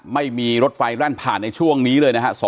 ไม่มีรถไฟแล่นผ่านในช่วงนี้เลยนะครับ